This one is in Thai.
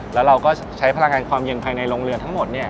แล้วเราก็ใช้พลังงานความเย็นภายในโรงเรือนทั้งหมด